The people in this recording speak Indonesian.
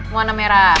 mau warna merah